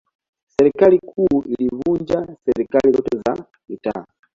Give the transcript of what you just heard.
serikali kuu ilivunja serikali zote za mitaa